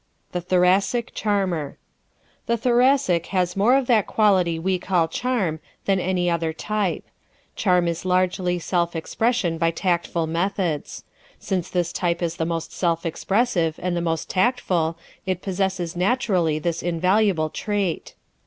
The Thoracic Charmer ¶ The Thoracic has more of that quality we call "charm" than any other type. Charm is largely self expression by tactful methods. Since this type is the most self expressive and the most tactful it possesses naturally this invaluable trait.